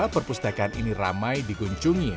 perpustakaan ini ramai dikunjungi